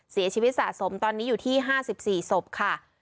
เสียชีวิตสะสมตอนนี้อยู่ที่๕๔ศพค่ะ